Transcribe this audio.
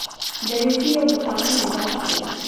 دریشي یو پخوانی لباس دی.